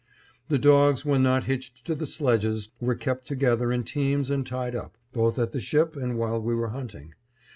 The dogs when not hitched to the sledges were kept together in teams and tied up, both at the ship and while we were hunting.